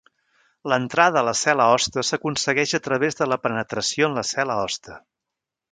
L'entrada a la cel·la hoste s'aconsegueix a través de la penetració en la cel·la hoste.